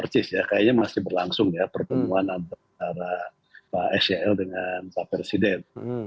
kayaknya masih berlangsung ya pertemuan antara pak sel dengan pak presiden